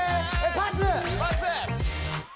パス！